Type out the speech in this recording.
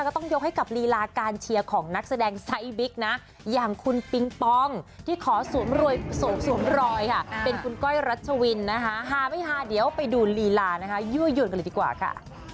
ก็ต้องยกให้กับลีลาการเชียร์ของนักแสดงไซส์บิ๊กนะอย่างคุณปิงปองที่ขอสวมสวมรอยค่ะเป็นคุณก้อยรัชวินนะคะฮาไม่ฮาเดี๋ยวไปดูลีลานะคะยั่วยวนกันเลยดีกว่าค่ะ